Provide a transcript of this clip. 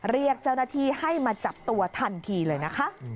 เรียกเจ้าหน้าที่ให้มาจับตัวทันทีเลยนะคะ